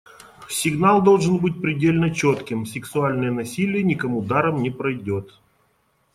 Сигнал должен быть предельно четким: сексуальное насилие никому даром не пройдет.